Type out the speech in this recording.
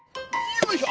よいしょ！